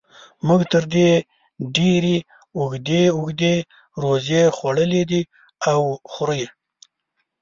موږ تر دې ډېرې اوږدې اوږدې روژې خوړلې دي او خورو یې.